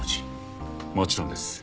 もちろんです。